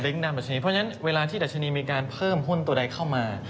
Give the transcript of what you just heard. เพราะฉะนั้นเวลาที่ดัชนีมีการเพิ่มหุ้นตัวใดเข้ามา